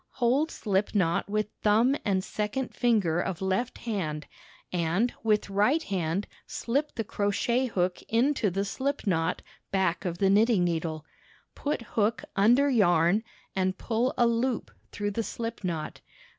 Hold slip knot with thumb and second finger of left hand and with right hand shp the crochet hook into the slip knot back of the knitting needle. Put hook under yarn and pull a loop through the slip knot.